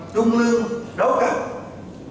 trung lương đấu cặp